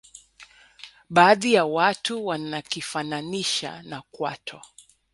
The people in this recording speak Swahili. baadhi ya watu wanakifananisha na kwato